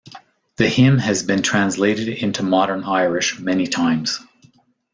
The hymn has been translated into Modern Irish many times.